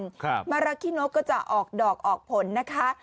มารักขี้นกก็จะออกดอกออกผลนะคะ